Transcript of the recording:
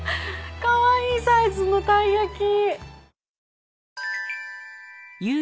かわいいサイズのたい焼き。